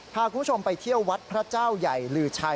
พาคุณผู้ชมไปเที่ยววัดพระเจ้าใหญ่ลือชัย